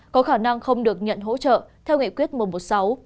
có khả năng không được nhận hỗ trợ theo nghị quyết mùa một mươi sáu